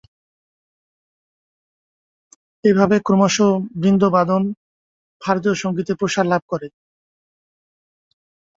এভাবে ক্রমশ বৃন্দবাদন ভারতীয় সঙ্গীতে প্রসার লাভ করে।